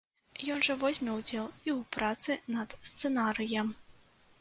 Ён жа возьме удзел і ў працы над сцэнарыем.